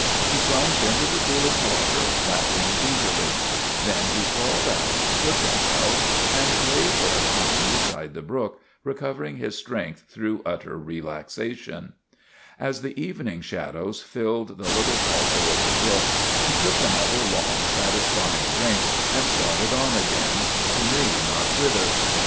He plunged into the cooling water, lapping eagerly. Then he crawled out, shook himself, and lay for a time be side the brook, recovering his strength through utter relaxation. As the evening shadows filled the little hollow of THE RETURN OF THE CHAMPION 307 the brook he took another long, satisfying drink and started on again, he knew not whither.